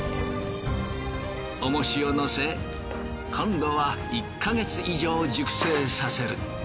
重しをのせ今度は１か月以上熟成させる。